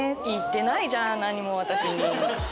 言ってないじゃん何も私に。